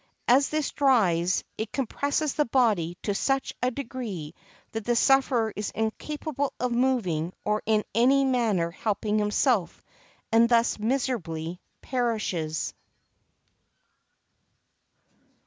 As this dries, it compresses the body to such a degree that the sufferer is incapable of moving or in any manner helping himself, and thus miserably perishes.